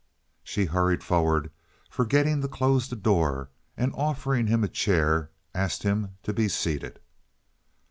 She hurried forward, forgetting to close the door, and, offering him a chair, asked him to be seated.